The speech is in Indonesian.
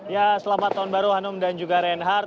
ya selamat tahun baru hanum dan juga reinhardt